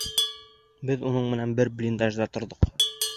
Беҙ уның менән бер блиндажда торҙоҡ.